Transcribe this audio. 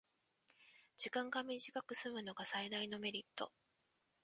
時間が短くすむのが最大のメリット